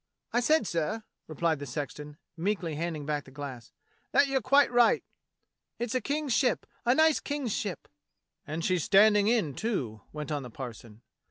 "I said, sir," replied the sexton, meekly handing back the glass, "that you're quite right: it's a King's ship, a nice King's ship!" "And she's standing in, too," went on the parson.